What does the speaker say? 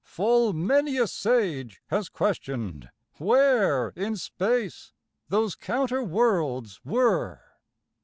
Full many a sage has questioned where in space Those counter worlds were?